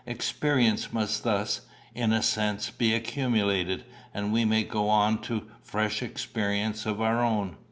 Experience may thus, in a sense, be accumulated, and we may go on to fresh experience of our own.